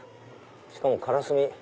しかもカラスミ。